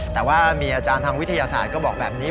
แต่ว่ามีอาจารย์ทางวิทยาศาสตร์ก็บอกแบบนี้